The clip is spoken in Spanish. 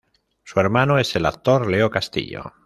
Su hermano es el actor Leo Castillo.